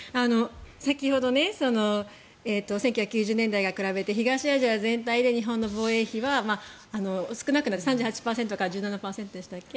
先ほど１９９０年代から比べて東アジア全体で日本の防衛費が少なくなって３８％から１７％でしたっけ。